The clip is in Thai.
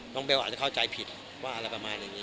เบลอาจจะเข้าใจผิดว่าอะไรประมาณอย่างนี้